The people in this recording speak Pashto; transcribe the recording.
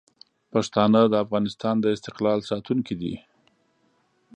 پښتانه د افغانستان د استقلال ساتونکي دي.